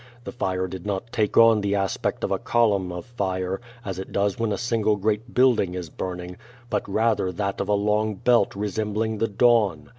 The fire did not take on the aspect of a column of fire, as it does when a single great building is burning, but rather that of a long belt resembling the dawn.